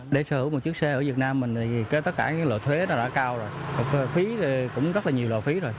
để sở hữu một chiếc xe ở việt nam thì tất cả lợi thuế đã cao rồi phí cũng rất là nhiều lợi phí rồi